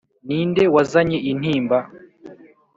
ninde wazanye intimba.